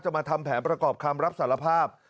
มาทำแผนประกอบคำรับสารภาพ